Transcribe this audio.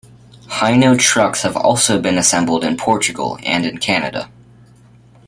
Hino Trucks have also been assembled in Portugal and in Canada.